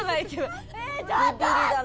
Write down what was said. ビビリだな。